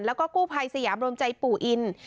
แล้วก็กู้ภัยสยามรวมใจปู่อิน